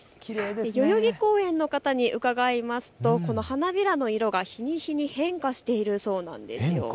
代々木公園の方に伺いますと花びらの色は日に日に変化しているそうなんです。